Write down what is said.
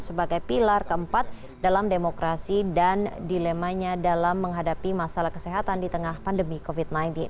sebagai pilar keempat dalam demokrasi dan dilemanya dalam menghadapi masalah kesehatan di tengah pandemi covid sembilan belas